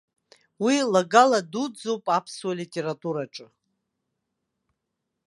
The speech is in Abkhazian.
Уи лагала дуӡӡоуп аԥсуа литератураҿыы.